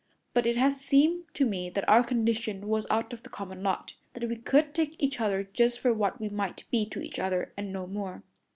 But it has seemed to me that our condition was out of the common lot that we could take each other for just what we might be to each other and no more.